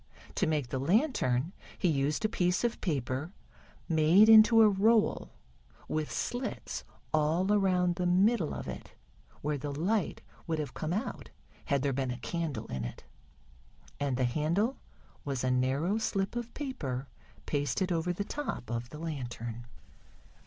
To make the lantern he used a piece of paper made into a roll, with slits all around the middle of it where the light would have come out had there been a candle in it. And the handle was a narrow slip of paper pasted over the top of the lantern.